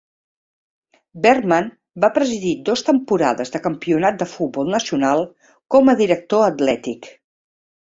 Bertman va presidir dos temporades de campionat de futbol nacional com a director atlètic.